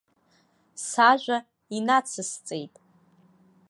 Сажәа инацысҵеит.